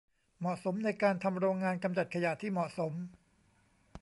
เหมาะสมในการทำโรงงานกำจัดขยะที่เหมาะสม